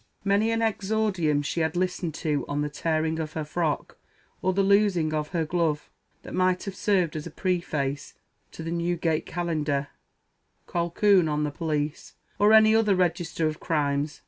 Many an exordium she had listened to on the tearing of her frock, or the losing of her glove, that might have served as a preface to the "Newgate Calendar," "Colquhoun on the Police," or any other register of crimes.